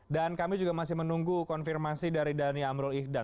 dan kami juga masih menunggu konfirmasi dari dhani amrul ihdan